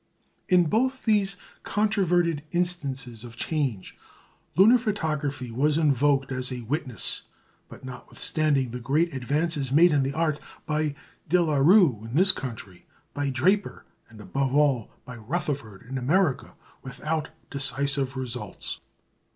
In both these controverted instances of change, lunar photography was invoked as a witness; but, notwithstanding the great advances made in the art by De la Rue in this country, by Draper, and, above all, by Rutherford in America, without decisive results.